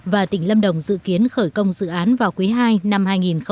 và tỉnh lâm đồng dự kiến khởi công dự án vào quý ii năm hai nghìn một mươi chín